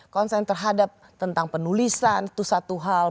konsen terhadap tentang penulisan itu satu hal